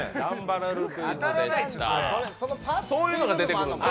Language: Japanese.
そういうのが出てくる。